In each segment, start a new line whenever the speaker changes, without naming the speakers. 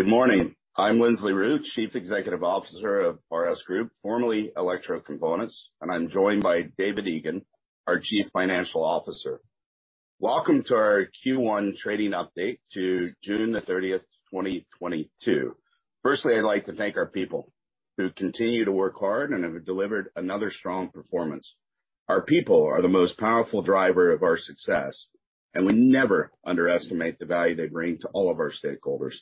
Good morning. I'm Lindsley Ruth, Chief Executive Officer of RS Group, formerly Electrocomponents, and I'm joined by David Egan, our Chief Financial Officer. Welcome to our Q1 trading update to June 30th, 2022. Firstly, I'd like to thank our people who continue to work hard and have delivered another strong performance. Our people are the most powerful driver of our success, and we never underestimate the value they bring to all of our stakeholders.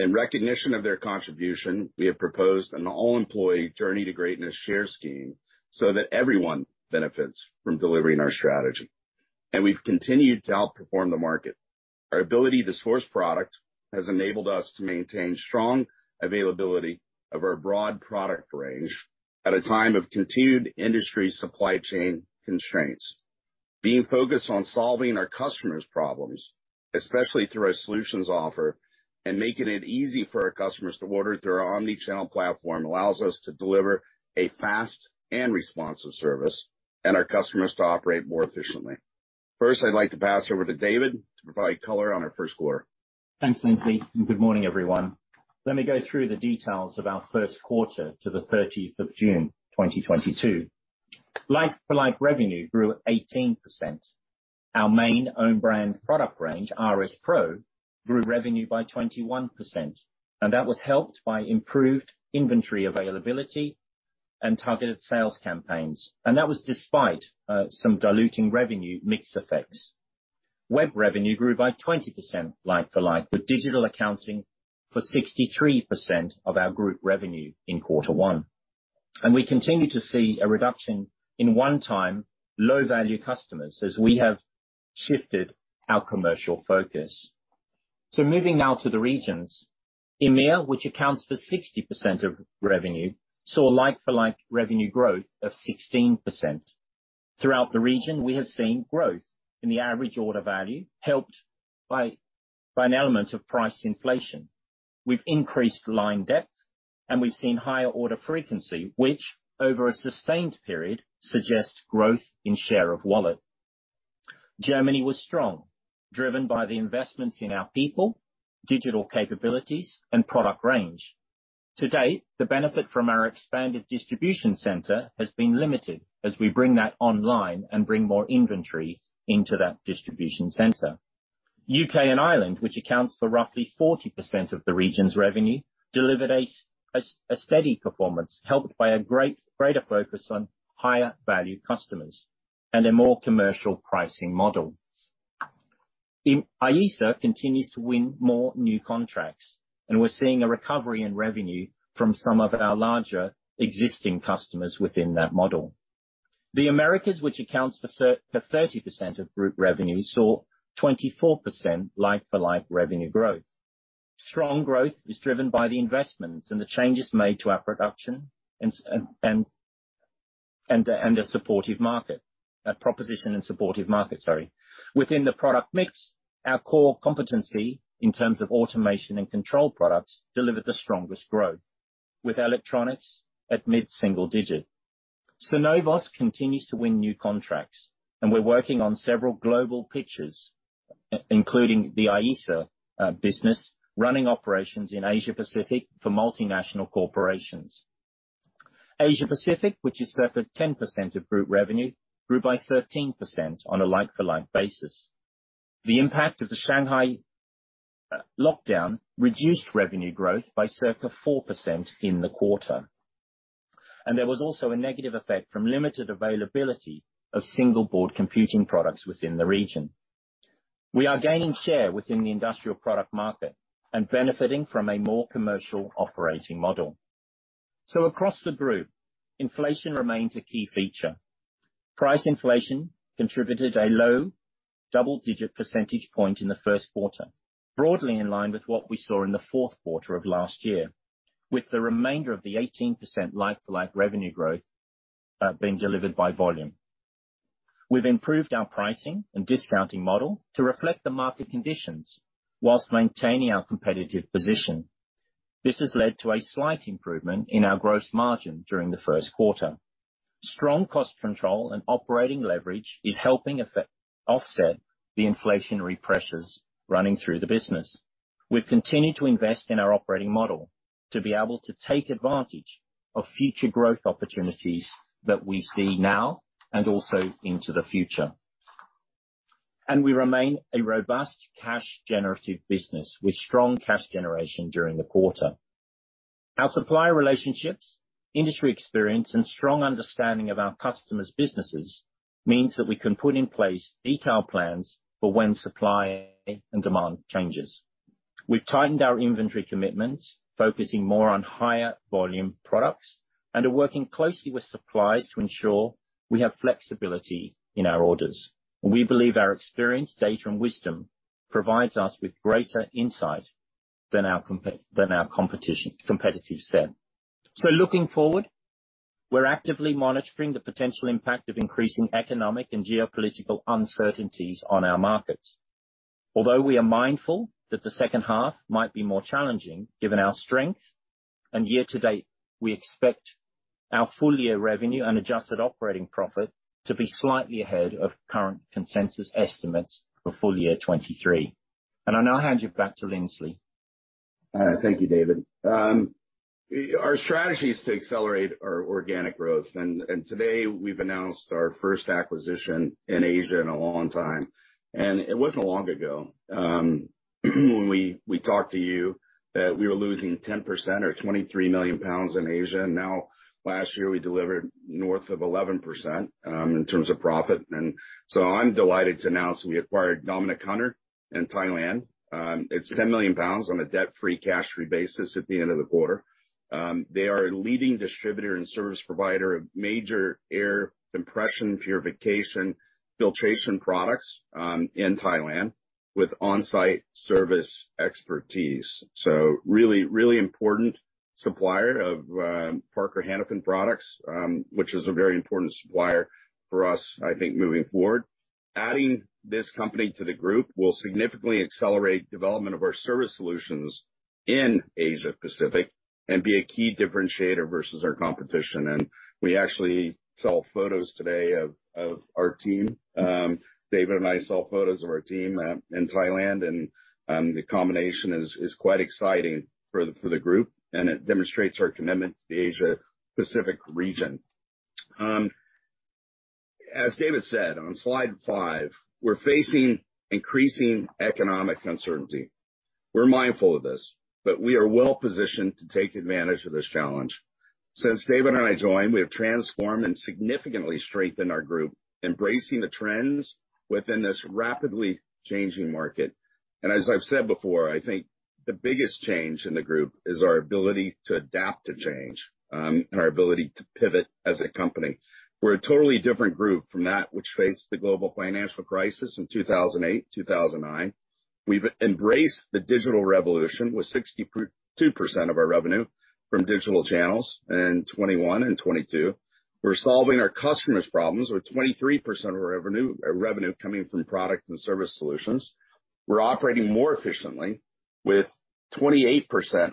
In recognition of their contribution, we have proposed an all-employee Journey to Greatness share scheme so that everyone benefits from delivering our strategy. We've continued to outperform the market. Our ability to source product has enabled us to maintain strong availability of our broad product range at a time of continued industry supply chain constraints. Being focused on solving our customers' problems, especially through our solutions offer, and making it easy for our customers to order through our omni-channel platform, allows us to deliver a fast and responsive service and our customers to operate more efficiently. First, I'd like to pass over to David to provide color on our first quarter.
Thanks, Lindsley, and good morning, everyone. Let me go through the details of our first quarter to the thirtieth of June, 2022. Like-for-like revenue grew 18%. Our main own brand product range, RS PRO, grew revenue by 21%, and that was helped by improved inventory availability and targeted sales campaigns. That was despite some diluting revenue mix effects. Web revenue grew by 20% like-for-like, with digital accounting for 63% of our group revenue in quarter one. We continue to see a reduction in one-time low-value customers as we have shifted our commercial focus. Moving now to the regions. EMEA, which accounts for 60% of revenue, saw like-for-like revenue growth of 16%. Throughout the region, we have seen growth in the average order value, helped by an element of price inflation. We've increased line depth, and we've seen higher order frequency, which over a sustained period suggests growth in share of wallet. Germany was strong, driven by the investments in our people, digital capabilities, and product range. To date, the benefit from our expanded distribution center has been limited as we bring that online and bring more inventory into that distribution center. U.K. and Ireland, which accounts for roughly 40% of the region's revenue, delivered a steady performance, helped by a greater focus on higher value customers and a more commercial pricing model. IESA continues to win more new contracts, and we're seeing a recovery in revenue from some of our larger existing customers within that model. The Americas, which accounts for 30% of group revenue, saw 24% like for like revenue growth. Strong growth is driven by the investments and the changes made to our production and a proposition and supportive market, sorry. Within the product mix, our core competency in terms of automation and control products delivered the strongest growth, with electronics at mid-single digit. Synovos continues to win new contracts, and we're working on several global pitches, including the IESA business, running operations in Asia-Pacific for multinational corporations. Asia-Pacific, which is circa 10% of group revenue, grew by 13% on a like-for-like basis. The impact of the Shanghai lockdown reduced revenue growth by circa 4% in the quarter. There was also a negative effect from limited availability of single-board computing products within the region. We are gaining share within the industrial product market and benefiting from a more commercial operating model. Across the group, inflation remains a key feature. Price inflation contributed a low double-digit percentage point in the first quarter, broadly in line with what we saw in the fourth quarter of last year, with the remainder of the 18% like-for-like revenue growth being delivered by volume. We've improved our pricing and discounting model to reflect the market conditions while maintaining our competitive position. This has led to a slight improvement in our gross margin during the first quarter. Strong cost control and operating leverage is helping offset the inflationary pressures running through the business. We've continued to invest in our operating model to be able to take advantage of future growth opportunities that we see now and also into the future. We remain a robust cash generative business with strong cash generation during the quarter. Our supplier relationships, industry experience, and strong understanding of our customers' businesses means that we can put in place detailed plans for when supply and demand changes. We've tightened our inventory commitments, focusing more on higher volume products, and are working closely with suppliers to ensure we have flexibility in our orders. We believe our experience, data, and wisdom provides us with greater insight than our competitive set. Looking forward, we're actively monitoring the potential impact of increasing economic and geopolitical uncertainties on our markets. Although we are mindful that the second half might be more challenging, given our strength. Year to date, we expect our full year revenue and adjusted operating profit to be slightly ahead of current consensus estimates for full year 2023. I now hand you back to Lindsley.
All right, thank you, David. Our strategy is to accelerate our organic growth. Today we've announced our first acquisition in Asia in a long time. It wasn't long ago when we talked to you that we were losing 10% or 23 million pounds in Asia. Now, last year we delivered north of 11% in terms of profit. I'm delighted to announce we acquired Domnick Hunter in Thailand. It's 10 million pounds on a debt-free, cash-free basis at the end of the quarter. They are a leading distributor and service provider of major air compression, purification, filtration products in Thailand with on-site service expertise. Really important supplier of Parker Hannifin products, which is a very important supplier for us, I think, moving forward. Adding this company to the group will significantly accelerate development of our service solutions in Asia Pacific and be a key differentiator versus our competition. We actually saw photos today of our team. David and I saw photos of our team in Thailand and the combination is quite exciting for the group, and it demonstrates our commitment to the Asia Pacific region. As David said on slide five, we're facing increasing economic uncertainty. We're mindful of this, but we are well-positioned to take advantage of this challenge. Since David and I joined, we have transformed and significantly strengthened our group, embracing the trends within this rapidly changing market. As I've said before, I think the biggest change in the group is our ability to adapt to change, and our ability to pivot as a company. We're a totally different group from that which faced the global financial crisis in 2008, 2009. We've embraced the digital revolution with 62% of our revenue from digital channels in 2021 and 2022. We're solving our customers' problems with 23% of our revenue coming from product and service solutions. We're operating more efficiently with 28%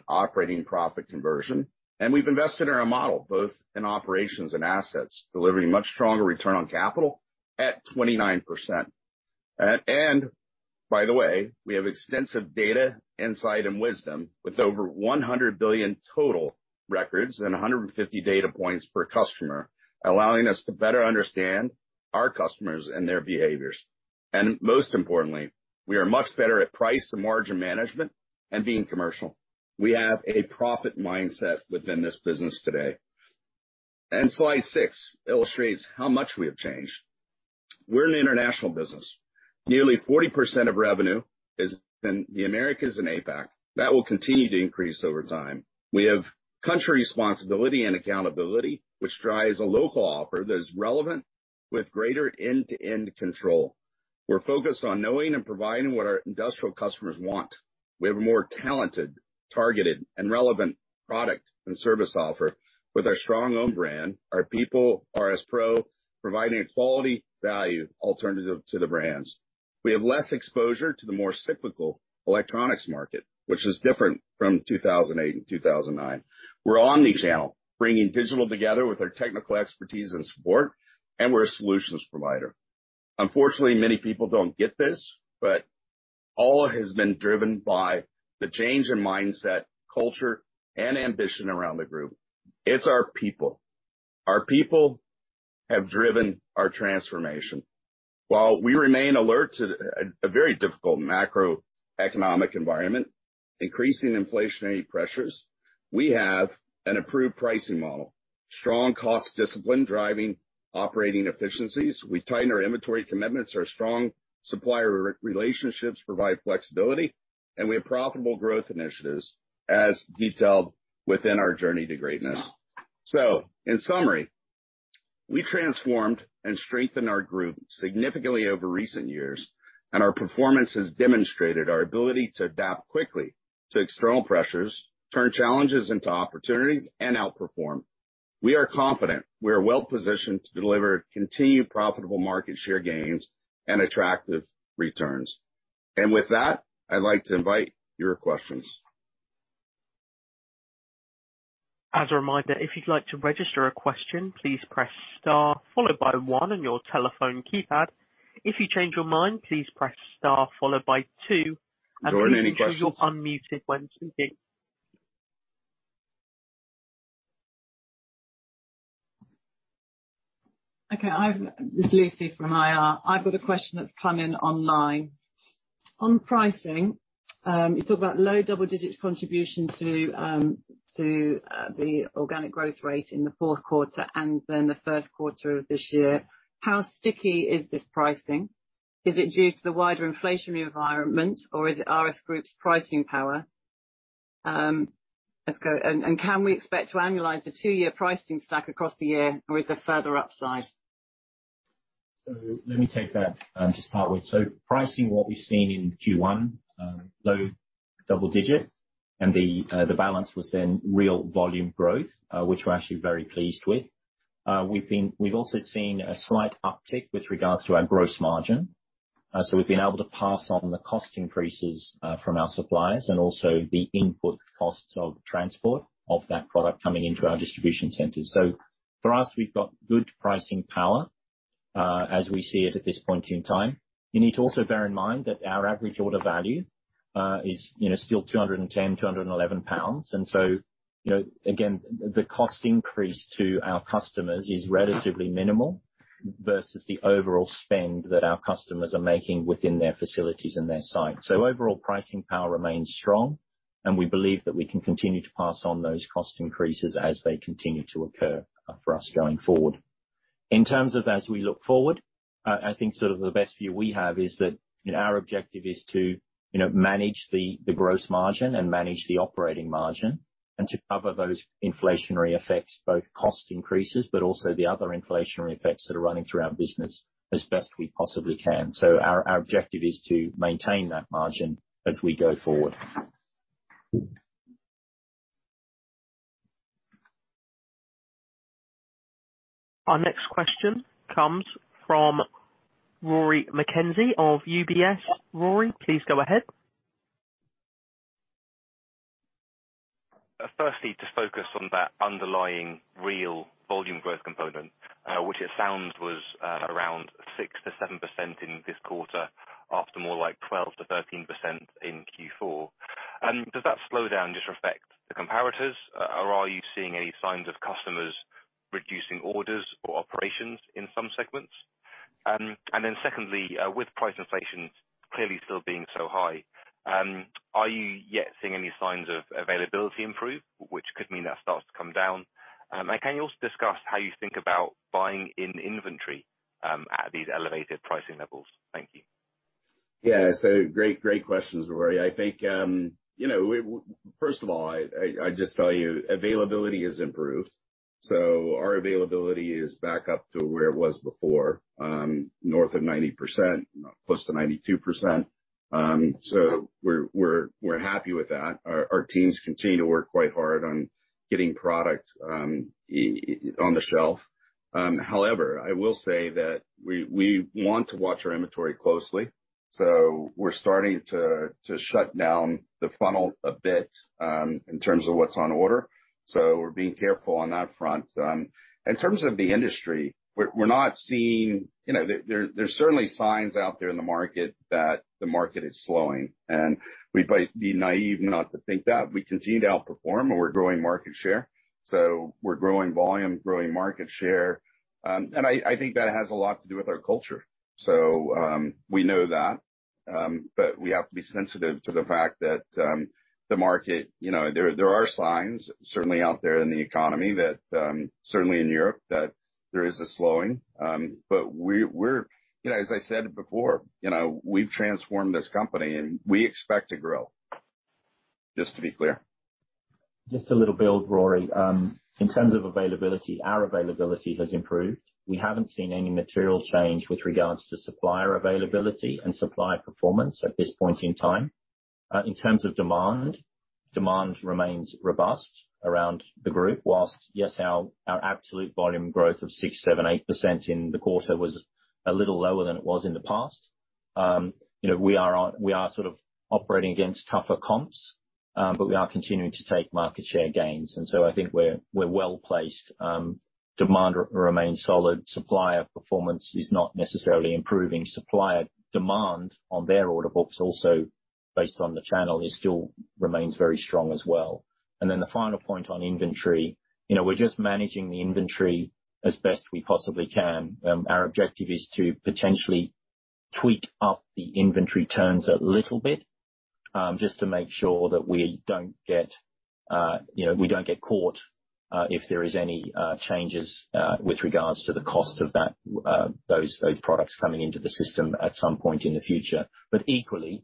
operating profit conversion. We've invested in our model, both in operations and assets, delivering much stronger return on capital at 29%. By the way, we have extensive data, insight, and wisdom with over 100 billion total records and 150 data points per customer, allowing us to better understand our customers and their behaviors. Most importantly, we are much better at price and margin management and being commercial. We have a profit mindset within this business today. Slide six illustrates how much we have changed. We're an international business. Nearly 40% of revenue is in the Americas and APAC. That will continue to increase over time. We have country responsibility and accountability, which drives a local offer that is relevant with greater end-to-end control. We're focused on knowing and providing what our industrial customers want. We have a more talented, targeted, and relevant product and service offer with our strong own brand. Our people are RS PRO, providing a quality-value alternative to the brands. We have less exposure to the more cyclical electronics market, which is different from 2008 and 2009. We're omni-channel, bringing digital together with our technical expertise and support, and we're a solutions provider. Unfortunately, many people don't get this, but all has been driven by the change in mindset, culture, and ambition around the group. It's our people. Our people have driven our transformation. While we remain alert to a very difficult macroeconomic environment, increasing inflationary pressures, we have an approved pricing model. Strong cost discipline driving operating efficiencies. We tighten our inventory commitments. Our strong supplier relationships provide flexibility, and we have profitable growth initiatives as detailed within our Journey to Greatness. In summary, we transformed and strengthened our group significantly over recent years, and our performance has demonstrated our ability to adapt quickly to external pressures, turn challenges into opportunities, and outperform. We are confident we are well-positioned to deliver continued profitable market share gains and attractive returns. With that, I'd like to invite your questions.
As a reminder, if you'd like to register a question, please press star followed by one on your telephone keypad. If you change your mind, please press star followed by two.
Jordan, any questions?
Please ensure you're unmuted when speaking.
Okay, this is Lucy from IR. I've got a question that's come in online. On pricing, you talk about low double digits contribution to the organic growth rate in the fourth quarter and then the first quarter of this year. How sticky is this pricing? Is it due to the wider inflationary environment, or is it RS Group's pricing power? Can we expect to annualize the two-year pricing stack across the year, or is there further upside?
Let me take that to start with. Pricing what we've seen in Q1, low double-digit and the balance was then real volume growth, which we're actually very pleased with. We've also seen a slight uptick with regards to our gross margin. We've been able to pass on the cost increases from our suppliers and also the input costs of transport of that product coming into our distribution centers. For us, we've got good pricing power, as we see it at this point in time. You need to also bear in mind that our average order value, you know, is still 210-211 pounds. You know, again, the cost increase to our customers is relatively minimal versus the overall spend that our customers are making within their facilities and their sites. Overall, pricing power remains strong and we believe that we can continue to pass on those cost increases as they continue to occur for us going forward. In terms of as we look forward, I think sort of the best view we have is that, you know, our objective is to, you know, manage the gross margin and manage the operating margin and to cover those inflationary effects, both cost increases but also the other inflationary effects that are running through our business as best we possibly can. Our objective is to maintain that margin as we go forward.
Our next question comes from Rory McKenzie of UBS. Rory, please go ahead.
Firstly, to focus on that underlying real volume growth component, which it sounds was around 6%-7% in this quarter after more like 12%-13% in Q4. Does that slow down just affect the comparators, or are you seeing any signs of customers reducing orders or operations in some segments? And then secondly, with price inflation clearly still being so high, are you yet seeing any signs of availability improve, which could mean that starts to come down? And can you also discuss how you think about buying in inventory at these elevated pricing levels? Thank you.
Yeah. Great questions, Rory. I think, you know, first of all, I just tell you availability is improved, so our availability is back up to where it was before, north of 90%, close to 92%. We're happy with that. Our teams continue to work quite hard on getting product on the shelf. However, I will say that we want to watch our inventory closely, so we're starting to shut down the funnel a bit, in terms of what's on order. We're being careful on that front. In terms of the industry, we're not seeing. You know, there's certainly signs out there in the market that the market is slowing, and we'd be naive not to think that. We continue to outperform and we're growing market share. We're growing volume, growing market share. I think that has a lot to do with our culture. We know that, but we have to be sensitive to the fact that the market, you know, there are signs certainly out there in the economy that certainly in Europe that there is a slowing. We're, you know, as I said before, you know, we've transformed this company and we expect to grow, just to be clear.
Just a little build, Rory. In terms of availability, our availability has improved. We haven't seen any material change with regards to supplier availability and supplier performance at this point in time. In terms of demand remains robust around the group, while yes, our absolute volume growth of 6%-8% in the quarter was a little lower than it was in the past. You know, we are sort of operating against tougher comps, but we are continuing to take market share gains, and so I think we're well-placed. Demand remains solid. Supplier performance is not necessarily improving. Supplier demand on their order books also based on the channel still remains very strong as well. Then the final point on inventory. You know, we're just managing the inventory as best we possibly can. Our objective is to potentially tweak up the inventory turns a little bit, just to make sure that we don't get, you know, we don't get caught, if there is any changes with regards to the cost of that, those products coming into the system at some point in the future. Equally,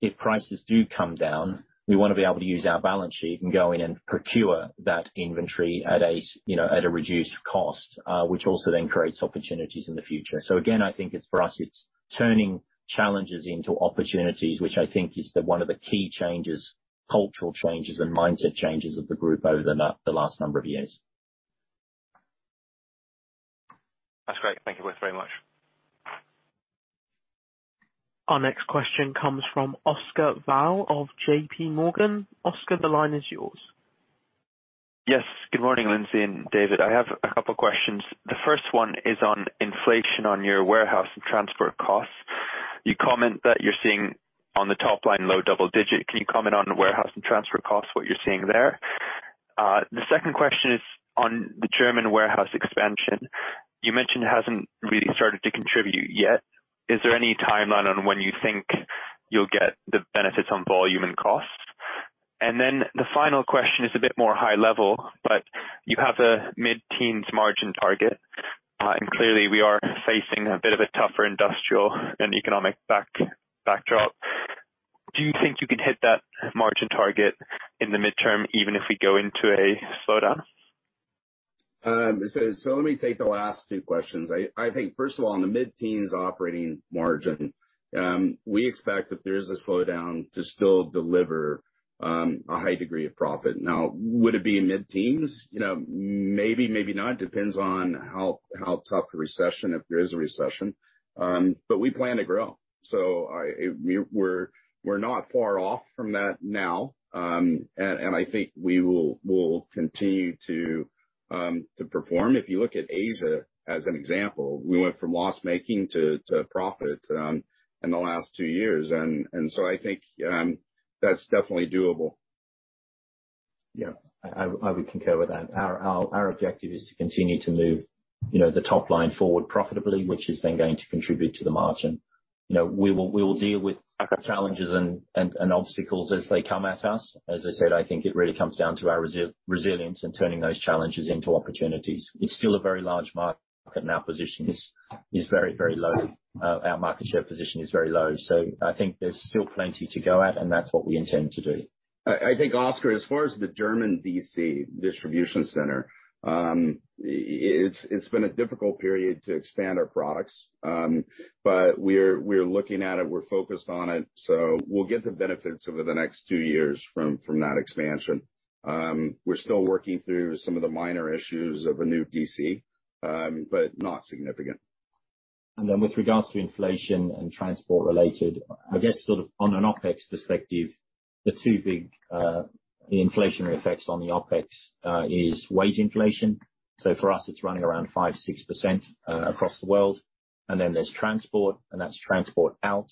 if prices do come down, we wanna be able to use our balance sheet and go in and procure that inventory at a, you know, at a reduced cost, which also then creates opportunities in the future. Again, I think it's, for us, it's turning challenges into opportunities, which I think is the one of the key changes, cultural changes and mindset changes of the group over the last number of years.
That's great. Thank you both very much.
Our next question comes from Oscar Val of JPMorgan. Oscar, the line is yours.
Yes. Good morning, Lindsley and David. I have a couple questions. The first one is on inflation on your warehouse and transfer costs. You comment that you're seeing on the top line, low double-digit. Can you comment on warehouse and transfer costs, what you're seeing there? The second question is on the German warehouse expansion. You mentioned it hasn't really started to contribute yet. Is there any timeline on when you think you'll get the benefits on volume and cost? Then the final question is a bit more high-level, but you have a mid-teens margin target. Clearly we are facing a bit of a tougher industrial and economic backdrop. Do you think you can hit that margin target in the medium term even if we go into a slowdown?
Let me take the last two questions. I think first of all, on the mid-teens operating margin, we expect if there is a slowdown to still deliver a high degree of profit. Now, would it be mid-teens? You know, maybe not. Depends on how tough the recession, if there is a recession, but we plan to grow. We're not far off from that now, and I think we will, we'll continue to perform. If you look at Asia as an example, we went from loss-making to profit in the last two years. I think that's definitely doable.
Yeah. I would concur with that. Our objective is to continue to move, you know, the top line forward profitably, which is then going to contribute to the margin. You know, we will deal with challenges and obstacles as they come at us. As I said, I think it really comes down to our resilience in turning those challenges into opportunities. It's still a very large market, and our position is very low. Our market share position is very low. So I think there's still plenty to go at, and that's what we intend to do.
I think, Oscar, as far as the German DC, distribution center, it's been a difficult period to expand our products. We're looking at it, we're focused on it, so we'll get the benefits over the next two years from that expansion. We're still working through some of the minor issues of a new DC, but not significant.
Then with regards to inflation and transport-related, I guess sort of on an OpEx perspective, the two big inflationary effects on the OpEx is wage inflation. So for us, it's running around 5%-6% across the world. Then there's transport, and that's transport out.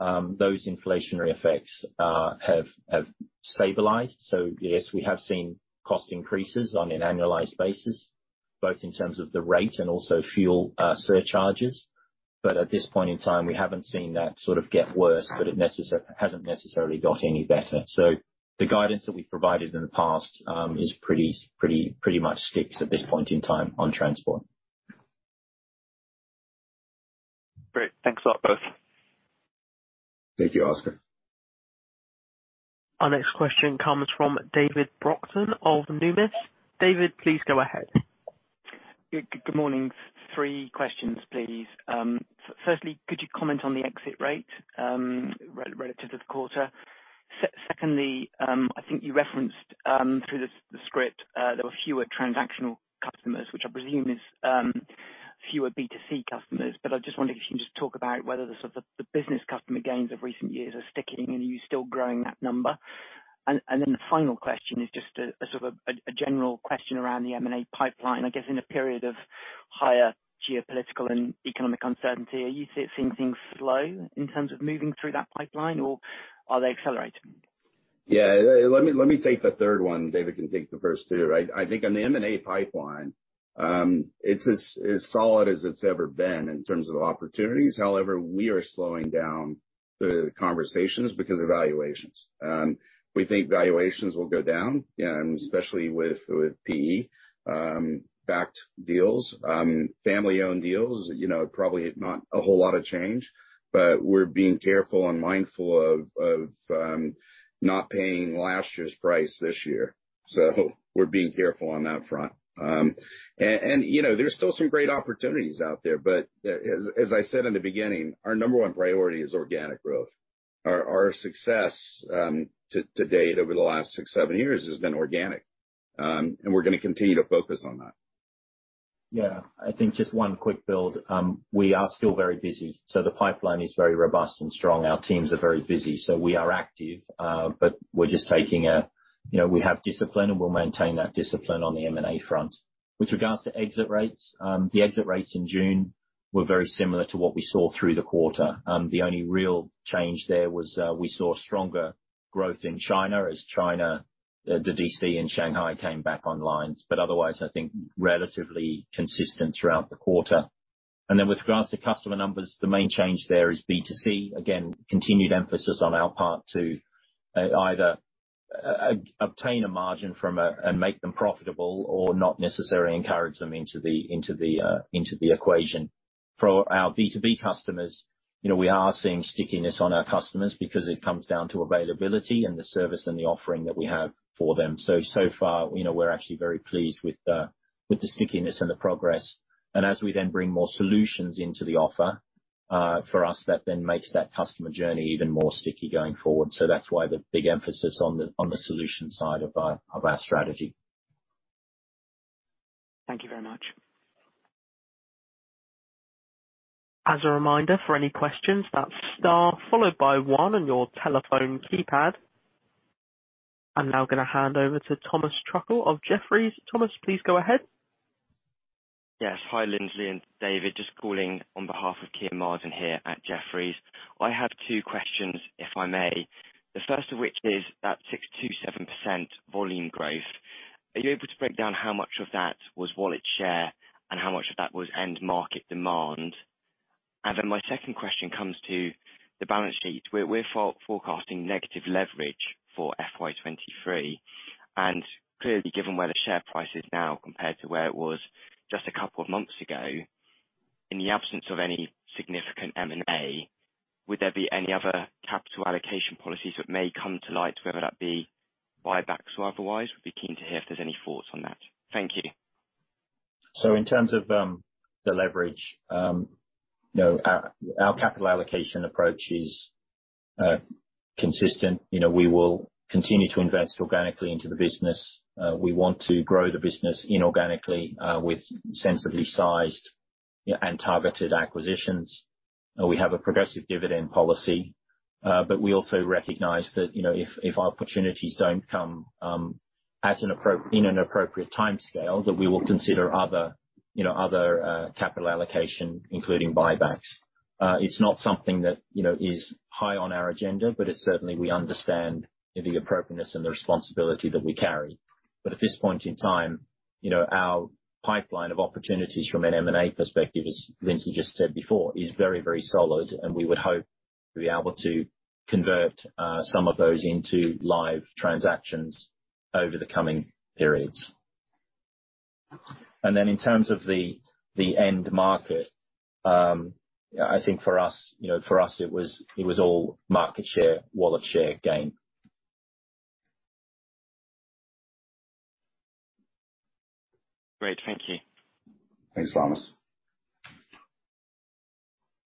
Those inflationary effects have stabilized. So yes, we have seen cost increases on an annualized basis, both in terms of the rate and also fuel surcharges. But at this point in time, we haven't seen that sort of get worse, but it hasn't necessarily got any better. So the guidance that we provided in the past is pretty much sticks at this point in time on transport.
Great. Thanks a lot, both.
Thank you, Oscar.
Our next question comes from David Brockton of Numis. David, please go ahead.
Good morning. Three questions, please. Firstly, could you comment on the exit rate relative to the quarter? Secondly, I think you referenced through the script there were fewer transactional customers, which I presume is fewer B2C customers. I just wondered if you can just talk about whether the sort of business customer gains of recent years are sticking and are you still growing that number? Then the final question is just a sort of general question around the M&A pipeline. I guess in a period of higher geopolitical and economic uncertainty, are you seeing things slow in terms of moving through that pipeline, or are they accelerating?
Yeah. Let me take the third one. David can take the first two, right? I think on the M&A pipeline, it's as solid as it's ever been in terms of opportunities. However, we are slowing down the conversations because of valuations. We think valuations will go down, especially with PE backed deals. Family-owned deals, you know, probably not a whole lot of change, but we're being careful and mindful of not paying last year's price this year. We're being careful on that front. You know, there's still some great opportunities out there, but as I said in the beginning, our number one priority is organic growth. Our success to date, over the last six, seven years has been organic. We're gonna continue to focus on that.
Yeah. I think just one quick build. We are still very busy, so the pipeline is very robust and strong. Our teams are very busy, so we are active, but you know, we have discipline, and we'll maintain that discipline on the M&A front. With regards to exit rates, the exit rates in June were very similar to what we saw through the quarter. The only real change there was, we saw stronger growth in China as the DC and Shanghai came back online. Otherwise, I think relatively consistent throughout the quarter. With regards to customer numbers, the main change there is B2C. Again, continued emphasis on our part to either obtain a margin from a and make them profitable or not necessarily encourage them into the equation. For our B2B customers, you know, we are seeing stickiness on our customers because it comes down to availability and the service and the offering that we have for them. So far, you know, we're actually very pleased with the stickiness and the progress. As we then bring more solutions into the offer, for us, that then makes that customer journey even more sticky going forward. That's why the big emphasis on the solution side of our strategy.
Thank you very much.
As a reminder, for any questions, that's star followed by one on your telephone keypad. I'm now gonna hand over to Thomas Truckle of Jefferies. Thomas, please go ahead.
Yes. Hi, Lindsley and David. Just calling on behalf of Kim Martin here at Jefferies. I have two questions, if I may. The first of which is that 6%-7% volume growth. Are you able to break down how much of that was wallet share and how much of that was end market demand? My second question comes to the balance sheet. We're forecasting negative leverage for FY 2023. Clearly, given where the share price is now compared to where it was just a couple of months ago, in the absence of any significant M&A, would there be any other capital allocation policies that may come to light, whether that be buybacks or otherwise? We'd be keen to hear if there's any thoughts on that. Thank you.
In terms of the leverage, you know, our capital allocation approach is consistent. You know, we will continue to invest organically into the business. We want to grow the business inorganically with sensibly sized and targeted acquisitions. We have a progressive dividend policy, but we also recognize that, you know, if our opportunities don't come in an appropriate timescale, that we will consider other, you know, capital allocation, including buybacks. It's not something that, you know, is high on our agenda, but it's certainly we understand the appropriateness and the responsibility that we carry. At this point in time, you know, our pipeline of opportunities from an M&A perspective, as Lindsley just said before, is very, very solid, and we would hope to be able to convert some of those into live transactions over the coming periods. In terms of the end market, I think for us, you know, for us it was all market share, wallet share gain.
Great. Thank you.
Thanks, Thomas.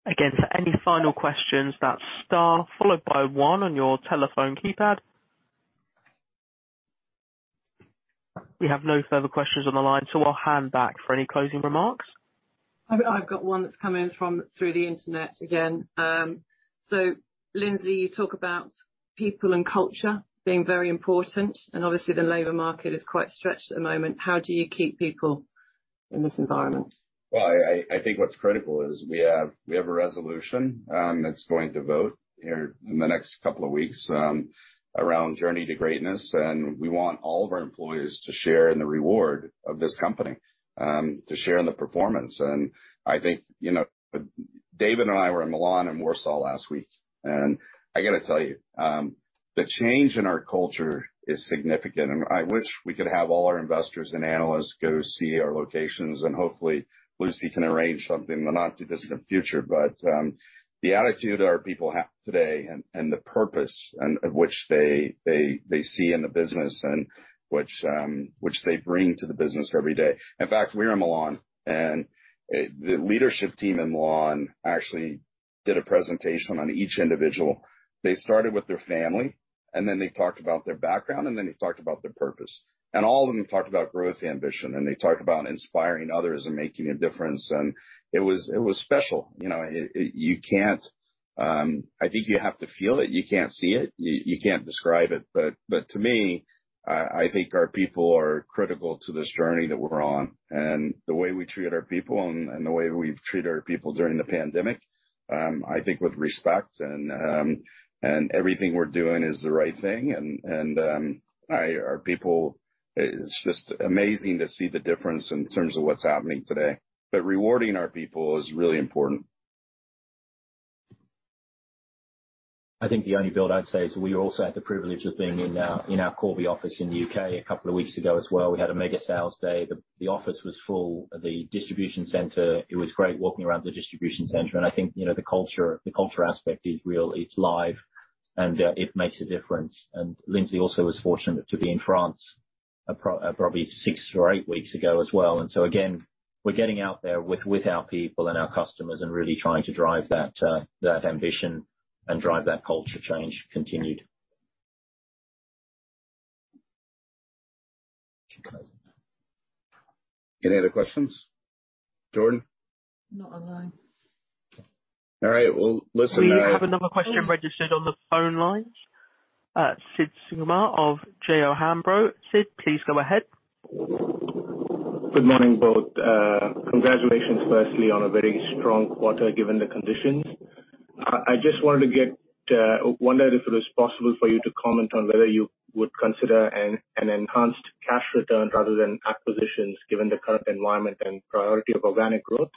Again, for any final questions, that's star followed by one on your telephone keypad. We have no further questions on the line, so I'll hand back for any closing remarks.
I've got one that's come in through the internet again. Lindsley, you talk about people and culture being very important and obviously the labor market is quite stretched at the moment. How do you keep people in this environment?
Well, I think what's critical is we have a resolution that's going to vote here in the next couple of weeks around Journey to Greatness. We want all of our employees to share in the reward of this company to share in the performance. I think, you know, David and I were in Milan and Warsaw last week, and I gotta tell you, the change in our culture is significant. I wish we could have all our investors and analysts go see our locations and hopefully Lucy can arrange something or not do this in the future. The attitude our people have today and the purpose of which they see in the business and which they bring to the business every day. In fact, we were in Milan and the leadership team in Milan actually did a presentation on each individual. They started with their family, and then they talked about their background, and then they talked about their purpose. All of them talked about growth, ambition, and they talked about inspiring others and making a difference. It was special, you know. You can't. I think you have to feel it. You can't see it, you can't describe it. To me, I think our people are critical to this journey that we're on and the way we treat our people and the way we've treated our people during the pandemic. I think with respect and everything we're doing is the right thing. Our people is just amazing to see the difference in terms of what's happening today. Rewarding our people is really important.
I think the only build I'd say is we also had the privilege of being in our Corby office in the U.K. a couple of weeks ago as well. We had a mega sales day. The office was full. The distribution center, it was great walking around the distribution center. I think, you know, the culture aspect is real, it's live, and it makes a difference. Lindsley also was fortunate to be in France probably six or eight weeks ago as well. Again, we're getting out there with our people and our customers and really trying to drive that ambition and drive that culture change continued.
Any other questions? Jordan?
Not online.
All right. Well, listen.
We have another question registered on the phone lines. Sid Sukumar of J O Hambro. Sid, please go ahead.
Good morning, both. Congratulations firstly on a very strong quarter given the conditions. I wondered if it was possible for you to comment on whether you would consider an enhanced cash return rather than acquisitions, given the current environment and priority of organic growth.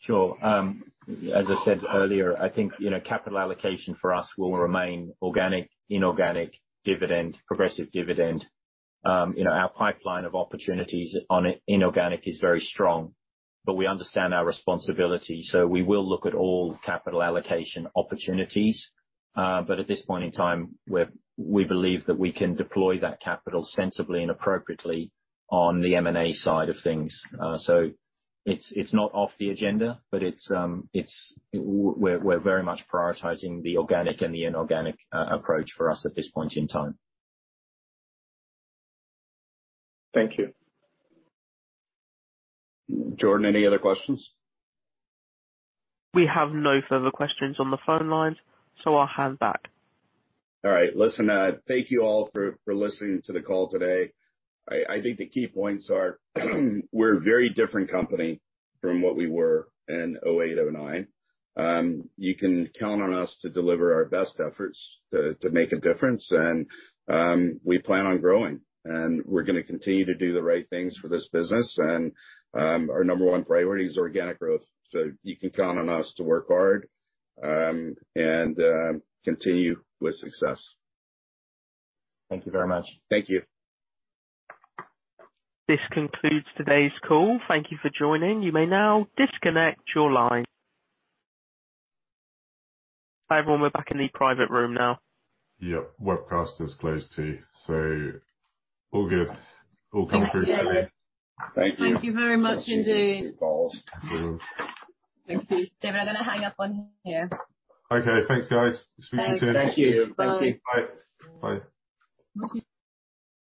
Sure. As I said earlier, I think, you know, capital allocation for us will remain organic, inorganic, dividend, progressive dividend. You know, our pipeline of opportunities on the inorganic is very strong. We understand our responsibility, so we will look at all capital allocation opportunities. At this point in time we believe that we can deploy that capital sensibly and appropriately on the M&A side of things. It's not off the agenda, but we're very much prioritizing the organic and the inorganic approach for us at this point in time.
Thank you.
Jordan, any other questions?
We have no further questions on the phone lines, so I'll hand back.
All right. Listen, thank you all for listening to the call today. I think the key points are we're a very different company from what we were in 2008, 2009. You can count on us to deliver our best efforts to make a difference. We plan on growing and we're gonna continue to do the right things for this business. Our number one priority is organic growth. You can count on us to work hard and continue with success.
Thank you very much.
Thank you.
This concludes today's call. Thank you for joining. You may now disconnect your line. Hi, everyone. We're back in the private room now.
Yep. Webcast is closed too, so all good. All come through safely.
Thank you.
Thank you very much indeed.
Thanks for taking the call.
Thank you.
David, I'm gonna hang up on you here.
Okay. Thanks, guys. Speak soon.
Thank you. Thank you.
Bye. Bye.